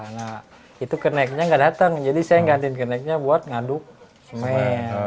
nah itu kenaiknya nggak datang jadi saya nggantikan kenaiknya buat ngaduk semen